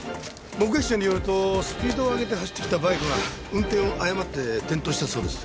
目撃者によるとスピードを上げて走ってきたバイクが運転を誤って転倒したそうです。